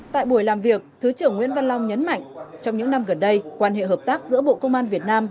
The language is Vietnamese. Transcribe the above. tại buổi làm việc thứ trưởng nguyễn văn long nhấn mạnh trong những năm gần đây quan hệ hợp tác giữa bộ công an việt nam